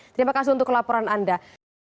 terima kasih untuk laporan anda